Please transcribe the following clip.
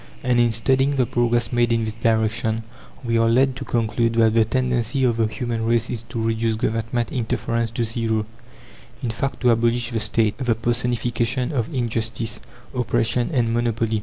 And in studying the progress made in this direction, we are led to conclude that the tendency of the human race is to reduce Government interference to zero; in fact, to abolish the State, the personification of injustice, oppression, and monopoly.